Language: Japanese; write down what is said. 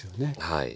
はい。